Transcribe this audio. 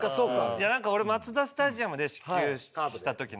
いやなんか俺マツダスタジアムで始球式した時。